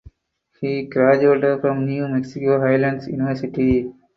He graduated from New Mexico Highlands University.